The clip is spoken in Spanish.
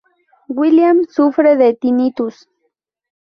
William sufre de tinnitus.